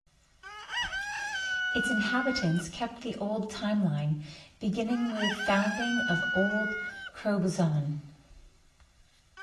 Its inhabitants kept the old timeline beginning with founding of "old" Crobuzon.